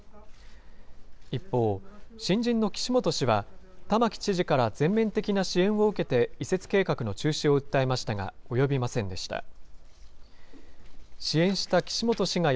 一方、新人の岸本氏は、玉城知事から全面的な支援を受けて、移設計画の中止を訴えましたが、及びませんでした。